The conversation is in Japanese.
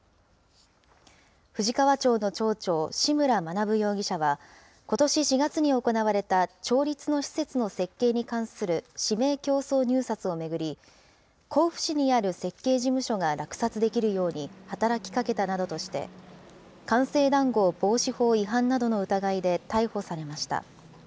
富士川町の町長、志村学容疑者は、ことし４月に行われた、町立の施設の設計に関する指名競争入札を巡り、甲府市にある設計事務所が落札できるように働きかけたなどとして、官製談合防止法違反などの疑いで逮捕されました。